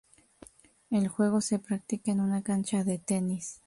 El juego se practica en una cancha de tenis.